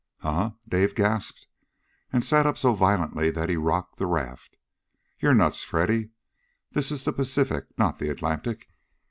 _" "Huh?" Dave gasped, and sat up so violently that he rocked the raft. "You're nuts, Freddy. This is the Pacific, not the Atlantic!"